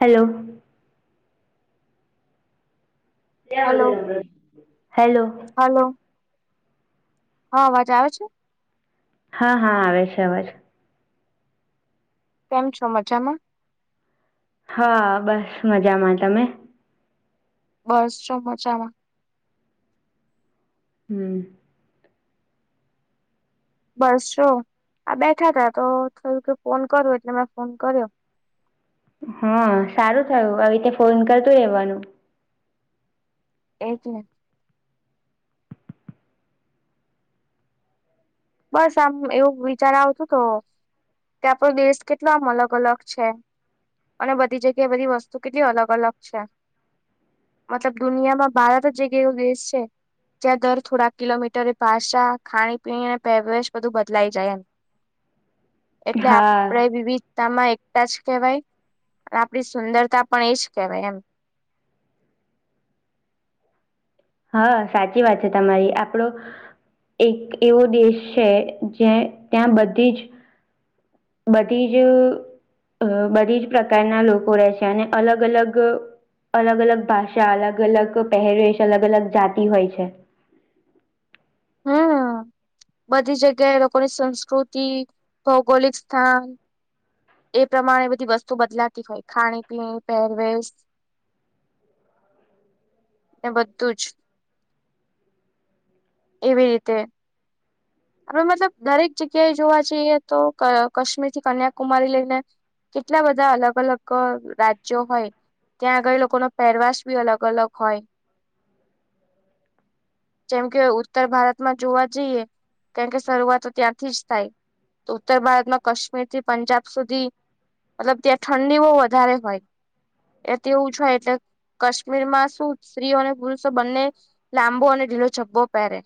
Hello hello hello hello હા અવાજ આવે છે હા હા આવે છે અવાજ કેમ છો મજામાં હા બસ મજામાં તમે બસ જો મજામાં હમ બસ જો આ બેઠા તા તો થયું કે ફોન કરો એટલે મેં ફોન કર્યો હા સારું થયું આવી રીતે ફોન કરતું રહેેવાનું એજ ને બસ આમ એવું વિચાર આવતો તો કે આપડો દેશ કેટલામ અલગ અલગ છે. અને બધી જગ્યા એ બધી વસ્તુ કેટલી અલગ અલગ છે. મતલબ દુનિયામાં ભારત જ એક એવો દેશ છે જાર દર થોડા કિલોમીટરે ભાષા ખાણી પીણી પહેરવેશ બધું બદલાઈ જાય એટલે હા આપણેે વિવિધ તા માં એકતા જ કહેવાય અને આપડી સુંદરતા પણ એ જ કહેવાય એમ. હા સાચી વાત છે તમારી આપડો એક એવો દેશ છે જે ત્યાં બધી જ બધી જ અ બધી જ પ્રકારના લોકો રહે છે અને અલગ અલગ અલગ અલગ ભાષા અલગ અલગ પહેરેશ અલગ અલગ જાતિ હોય છે. હા બધી જગ્યાએ એ લોકોની સંસ્કૃતિ ભૌગોલિક સ્થાન એ પ્રમાણે બધી વસ્તુ બદલાતી હોય ખાણી પીણી પહેરવેશ એ બધું જ એવી રીતે અવે મતલબ દરેક જગ્યાએ જોવા જઈએ તો કાશ્મીર થી કન્યાકુમારી લઈને કેટલા બધા અલગ અલગ રાજ્યો હોય ત્યાં આગળ લોકો નો પેરવાસ બી અલગ અલગ હોય. જેમ કે ઉત્તર ભારતમાં જોવા જઈએ કેમકે શરૂઆત ત્યાંથી જ થાય. તો ઉત્તર ભારત માં કાશ્મીર થી પંજાબ સુધી મતલબ ત્યાં ઠંડી બો વધારે હોય. એ તેવું હોય એટલે કાશ્મીર માં શું સ્ત્રીઓ અને પુરુષો બંને લાંબો અને ઢીલો જબ્બો પહેરે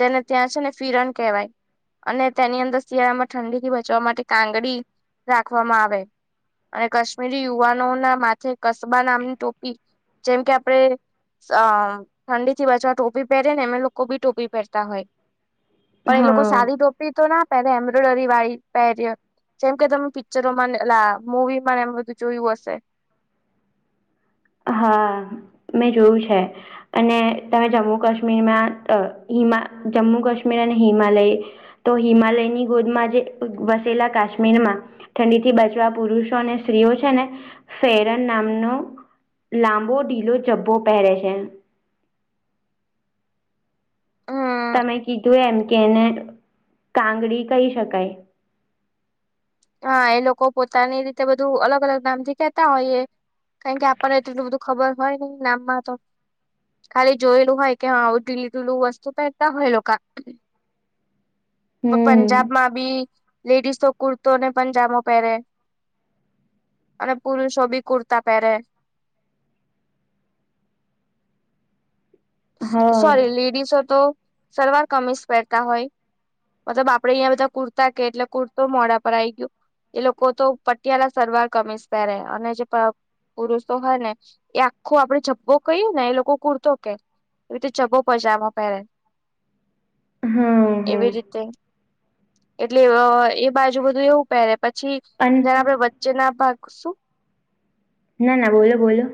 જેને ત્યાં છે ને ફિરણ કહેવાય. અને તેની અંદર શિયાળામાં ઠંડી થી બચવા માટે કાંગડી રાખવામાં આવે. અને કાશ્મીરી યુવાનો ના માથે કસ્બા નામની ટોપી જેમ કે આપડે અ ઠંડી થી બચવા ટોપી પહેરે ને એમે લોકો બી ટોપી પહેરતા હોય પણ એ લોકો હા સારી ટોપી તો ના પહેરે એમ્બ્રોઇડરી વાળી પહરે જેમ કે તમે પિક્ચરોમાં એલા મૂવી માં એમ બધું જોયું હશે. હા મેં જોયું છે. અને તમે જમ્મુ કાશ્મીરમાં હિમા જમ્મુ કાશ્મીર અને હિમાલય તો હિમાલયની ગોદમાં જે વસેલા કાશ્મીરમાં ઠંડી થી બચવા પુરુષો અને સ્ત્રીઓ છે ને ફેરન નામનો લાંબો ઢીલો જબ્ભો પહેરે છે. હમ તમે કીધું એમ કે એને કાંગડી કહી શકાય. હા એ લોકો પોતાની રીતે બધું અલગ અલગ નામ થી કેતા હોય એ કારણ કે આપણને એટલું બધું ખબર હોય ને નામ માં તો ખાલી જોયેલું હોય કે હા આવું ઢીલી ઢીલું વસ્તુ પહેરતા હોય લોકા હમ, પંજાબ માં બી લેડીસો કુર્તો ને પંજામો પહેરે. અને પુરુષો બી કુર્તા પહેરે હા, સોરી લેડીસો તો સલવાર કમીસ પહેરતા હોય. મતલબ આપડે અહિયાં બધા કુર્તા કહે, એટલે કુર્તો મોડા પર આઈ ગયું. એ લોકો તો પટિયાળ સરવાર કમીશ પેરે અને જે પુરુષો હોય ને એ આખો આપડે જબ્બો કયે ને એ લોકો કૂરતો કે એ રીતે જબો પજમાો પહેરે હા, હા. એવી રીતે એટલે એવો બાજુ બધું એવું પહેરે, પછી અન જેના પર જેના ભાગ શું ના, ના બોલો-બોલો.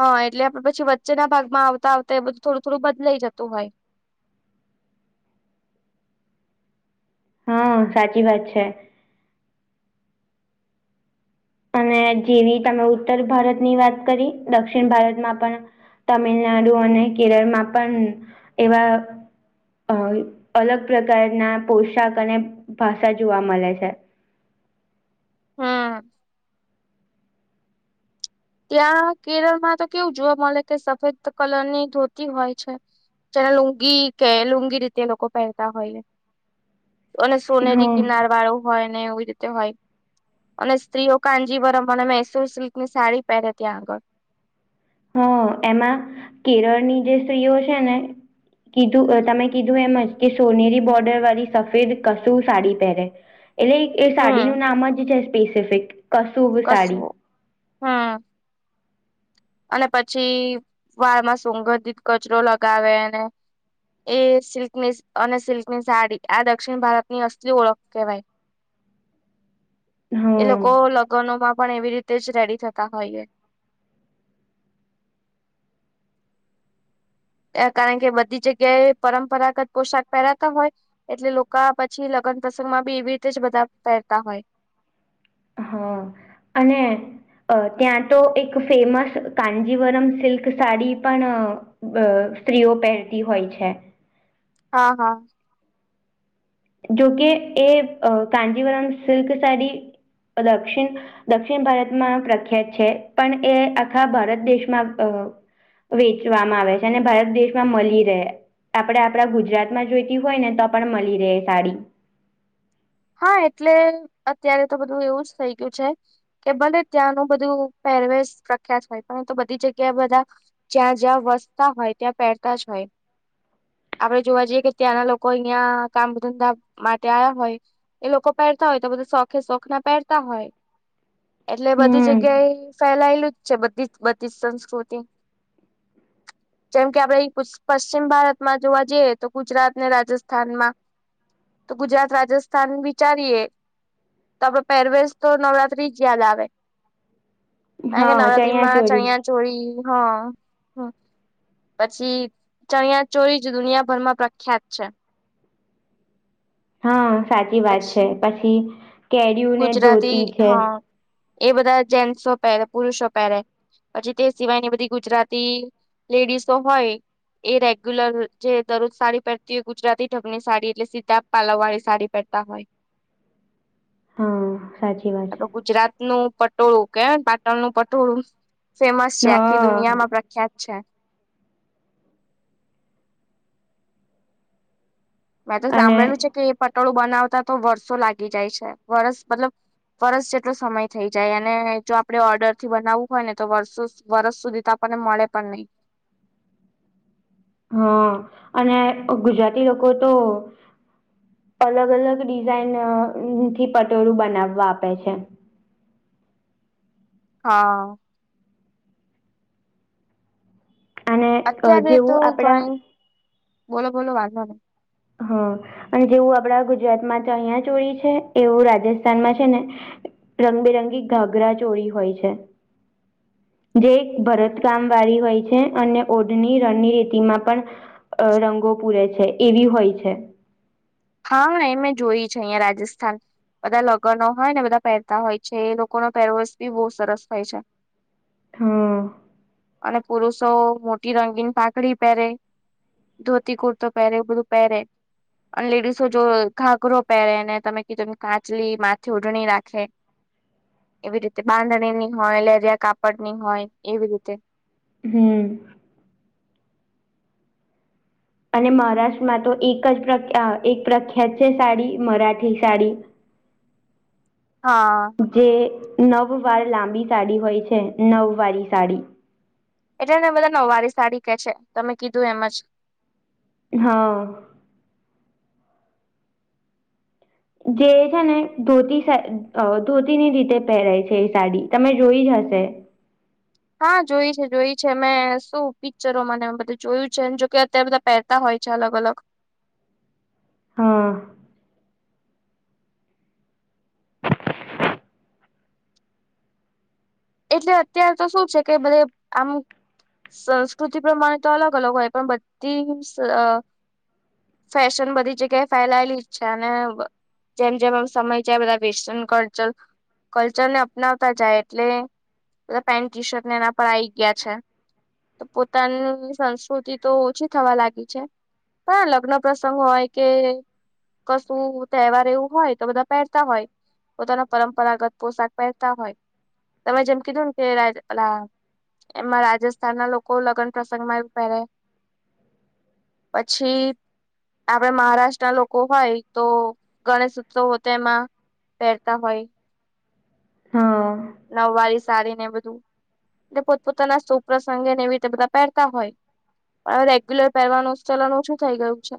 હા એટલે આપડે પછી વચ્ચેના ભાગમાં આવતા-આવતા એ બધું થોડું-થોડું બદલાઈ જતું હોય. હા, સાચી વાત છે. અને જેવી તમે ઉત્તર ભારતની વાત કરી, દક્ષિણ ભારતમાં પણ તમિલનાડુ અને કેરળમાં પણ એવા અહ અલગ પ્રકારના પોશાક અને ભાષા જોવા મલે છે. હા. ત્યાં કેરળ માં તો કેવું જોવા મળે કે સફેદ કલર ની ધોતી હોય છે. જેને લુંગી કે લુંગી રીતે એ લોકો પહેરતા હોઈએ. અને સોનેરી હમ કિનાર વાળો હોય ને એવી રીતે હોય, અને સ્ત્રીઓ કાનજીવરમ અને મૈસૂર સિલ્ક ની સાડી પેહેરે ત્યાં આગળ. હમ્મ. એમાં કેરળની જે સ્ત્રીઓ છે ને કીધું અહ તમે કીધું એમજ કે સોનેરી બોર્ડર વાળી સફેદ કસુર સાડી પહેરે. એટલે એ હમ સાડીનું નામ જ છે સ્પેસિફિક, કસુબ સાડી. હા. અને પછી વાળમાં સુંગંધિત ગજરો લગાવેને એ સિલ્કની અને સિલ્ક ની સાડી આ દક્ષિણ ભારત ની અસલી ઓળખ કહેવાય. એ હમ લોકો લગ્નોમાં પણ એવી રીતે જ રેડી થતા હોઈએ. એ કારણ કે બધી જગ્યા એ પરંપરાગત પોશાક પહેરાતા હોય. એટલે લોકા પછી લગ્ન પ્રસંગ માં બી એવી રીતે જ બધા પહેરતા હોય. હા. અને અહ ત્યાં તો એક ફેમસ કાનજીવરમ સિલ્ક સાડી પણ અહ સ્ત્રીઓ પહેરતી હોય છે. હા, હા. જોકે એ કાજીવરામ અહ સિલ્ક સાડી દક્ષિણ દક્ષિણ ભારતમાં પ્રખ્યાત છે, પણ એ આખા ભારત દેશમાં અહ વેચવામાં આવે છે, અને ભારત દેશમાં મલી રહે. આપણે આપણા ગુજરાતમાં જોઈતી હોય ને તો પણ મલી રહે એ સાડી. હા, એટલે અત્યારે તો બધું એવું જ થઇ ગયું છે. કે ભલે ત્યાંનું બધું પહેરવેશ પ્રખ્યાત હોય પરંતું બધી જગ્યાએ બધા જ્યાં-જ્યાં વસતા હોય ત્યાં પહેરતા જ હોય. આપડે જોવા જઈએ કે ત્યાંના લોકો અહિયાં કામ ધંધા માટે આયા હોય ઈ લોકો પહેરતા હોય તો બધું શોખે શોખ ના પહેરતા હોય, એટલે બધી જગ્યાએ હમ ફેલાયેલું જ છે બધી જ બધી જ સંસ્કૃતિ. જેમ કે આપણે ઈ પુસ પશ્ચિમ ભારતમાં જોવા જઈએ તો ગુજરાત ને રાજસ્થાનમાં તો ગુજરાત રાજસ્થ થાન વિચારીએ તો આપડે પહેરવેેશ તો નવરાત્રી જ યાદ આવે. કારણ કે હા નવરાત્રી માં ચોરી ચણિયા ચોળી, હા. પછી ચણિયા ચોળી જ દુનિયાભર માં પ્રખ્યાત છે. હા સાચી વાત છે. પછી પછી કેળીયું ને ગુજરાતી ધોતી છે. હા એ બધા જેન્ટસો પહેરે, પુરુષો પહેરે પછી તે સિવાયની બધી ગુજરાતી લેડીસો હોય એ રેગ્યુલર જે દરરોજ સાડી પહેરતી હોય ગુજરાતી ઢગની સાડી એટલે સીતા પાલવ વાળી સાડી પહેરતા હોય. હા, સાચી વાત તો છે. ગુજરાત નું પટોળું કેવાય ને પાટણનું પટોળું, ફેમસ છે, આખી દુનિયામાં પ્રખ્ છે, છે. મેં તો અને સાંભળેલું છે કે એ પટોળું બનાવતા તો વર્ષો લાગી જાય છે. વરસ મતલબ વરસ જેટલો સમય થઈ જાય અને જો આપડે ઓર્ડરથી બનાવવું હોય ને તો વર્ષો સુ, વરષ સુધી તો આપ ને મળે પણ નહી. હા અને ગુજરાતી લોકો તો અલગ અલગ ડિઝાઇનથી પટોળું બનાવવા આપે છે. હા અને અ અત્યારે તો જેવું આપડા ઘણી, બોલો, બોલો, વાંધો નહી. હા, અને જેવું આપડા ગુજરાતમાં તો અહિયા જો ઈ છે, એવું રાજસ્થાનમાં છે ને રંગબેરંગી ઘાઘરા ચોળી હોય છે. જે એક ભરતકામવાળી હોય છે અને ઓઢની રણની રીતિમાં પણ અ રંગો પૂરે છે, એવી હોય છે. હા નેમે જોઈ છે, અહિયાં રાજસ્થાન બધા લગનો હોય ને, બધા પહેરતા હોય છે, એ લોકોનો પહેરવેસ બી બહુ સરસ હોય છે. [inaudible] હમ અને પુરુષો મોટી રંગીન પાઘડી પહેરે. ધોતી કુર્તો પહેરે, એવુ બધું પહેરે, અને લેડીસ જો ઘાઘરો પહેરે ને તમે કીધું એમ, કાચલી માથે ઓઢણી રાખે, એવી રીતે, બાંધણીની હોય, લેરિયા કાપડની હોય એવી રીતે. હમ અને મહારાષ્ટ્રમાં તો એક જ પ્રખ્ય, અ, એક પ્રખ્યાત છે સાડી, મરાઠી સાડી હા જે નવ વાર લાંબી સાડી હોય છે, નવવારી સાડી. એટલે એને બધા નવવારી સાડી કે છે, તમે કીધું એમજ. હા જે છે ને ધોતી સાઈ, ધોતીની રીતે પહેરાય છે એ સાડી. તમે જોઈ જ હશે. હા, જોઈ છે, જોઈ છે. મે શું પિક્ચરોમાં ને બધું જોયું છે, જોકે અત્યારે બધા પેર તા હોય છે અલગ અલગ હા એટલે અત્યાર તો શું છે કે બધે આમ સંસ્કૃતિ પ્રમાણે તો અલગ અલગ હોય પણ બધી અ ફેશન બધી જગ્યાએ ફૈલાયેલી જ છે અને બ જેમ જેમ એમ સમય જાય બધા વેસ્ટર્ન કડચલ, કલ્ચર ને અપનાવતા જાય એટલે બધા પેન્ટ ટીશર્ટ ને એના પર આઈ ગ્યા છે. તો પોતાની સંસ્કૃતિ તો ઓછી થવા લાગી છે. હાં, લગ્ન પ્રસંગ હોય કે કસુ તહેવાર એવું હોય, તો બધા પહેરતા હોય. પોતાનો પરંપરાગત પોસાક પહેરતા હોય. તમે જેમ કીધુન કે રાજ ઓલા એમાં રાજસ્થાનના લોકો લગન પ્રસંગમાં એવું પહેરે. પછી આપડે મહારાષ્ટ્રના લોકો હોય તો, ગણેશ ઉત્સવ હો તો એમાં પહેરતા હોય હા. નવ વારી સારી ને બધું. એ પોતપોતાના સુપ્રસંગે ને એવી રીતે બધા પહેરતા હોય. હવે રેગ્યુલર પહેરવાનું ચલન ઓછું થઇ ગયું છે.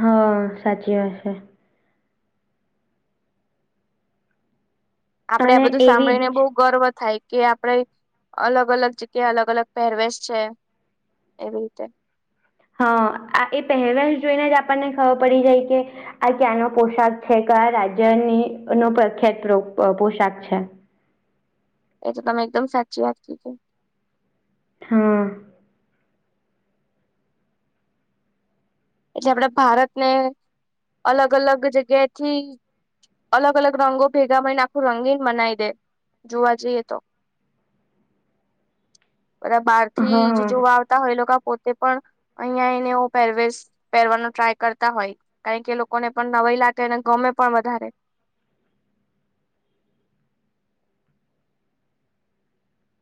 હા સાચી વાત છે. આપડે આ અને બધું એવી સાંભળીને બહુ જ ગર્વ થાય કે આપણે, અલગ અલગ જગ્યા, અલગ અલગ પહેરવેશ છે. એવી રીતે હા, આ એ પહેરવેશ જોઈને જ આપણને ખવર પડી જાય કે આ ક્યાંનો પોશાક છે, કયા રાજ્યની નો પ્રખ્યાત પ્રો, પોશાક છે. એ તો તમે એકદમ સાચી વાત કીધી. હા. એટલે આપડે ભારતને અલગ અલગ જગ્યા થી. અલગ અલગ રંગો ભેગા મળઈને આખું રંગીને મનાવી દે જોવા જઈએ તો. બરાબાર. થી હા જોવા આવતા હોય એ લોકો પોતે પણ અહીયાં એનો પેરવેેશ. પહેરવાનો ટ્રાય કરતા હોય કારણ કે લોકોને પણ નવાઈ લાગને ગમે પણ વધારે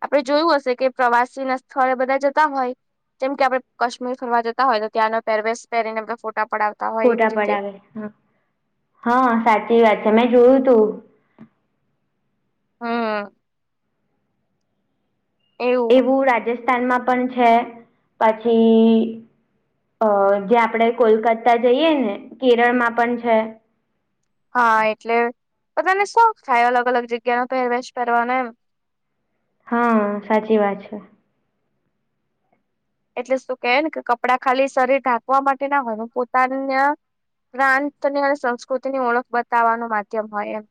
આપડે જોયું હશે કે પ્રવાસી ના સ્થળે બધા જતા હોય. જેમ કે આપડે કશ્મીર ફરવા જતા હોય તો ત્યાંનો પેરવેેશ પહેરીને આપણે ફોટા પડાવ. ફોટા પડાવે હા સાચી વાત છે મેં જોયું તું. હા. એવું રાજસ્થાનમાં પણ છે પછી. અ જે આપણેે કોલકાતા જઈએ ને કેરલ માં પણ છે. હા એટલે બધાને શોખ થાય અલગ અલગ જગ્યા ન પહેરવેશ પહેરવાનો એમ. હા સાચી વાત છે. એટલે શું કેહે ને કે કપડાં ખાલી શરીર ઢાંકવા માટે ના હોય પોતાને પ્રાંત ની અને સંસ્કૃતિ ની ઓળખ બતાવવાનું માધ્યમ હોય એમ.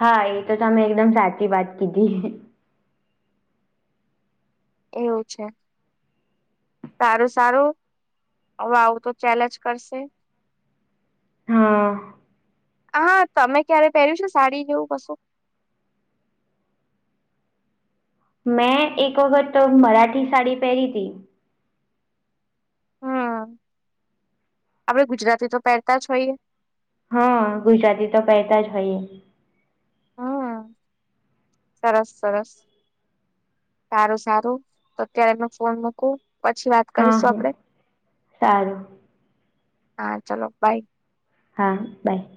હા એ તો તમે એકદમ સાચી વાત કીધી. એવું છે સારું સારું. હવે આવું તો ચેલેજ કરશે. હા. હા તમે ક્યારે પહેર્યું છે ને સાડી જેવું કશું. મેં એક વખત તો મરાઠી સાડી પહેરી તી. હમ આપડે ગુજરાતી તો પહેરતા જ હોઈએ. હા ગુજરાતી તો પેરતા હોઇ એ. હમ સરસ સરસ. સારું સારું તો અત્યારે તો ફોન મૂકુ પછી વાત. હા કરીશું હા આપડે સારું હા ચલો બાય. હા બાય.